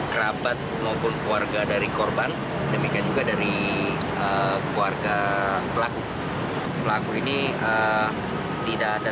kerabat maupun keluarga dari korban demikian juga dari keluarga pelaku pelaku ini tidak ada